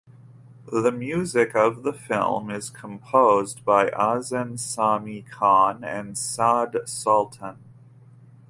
The music of the film is composed by Azaan Sami Khan and Saad Sultan.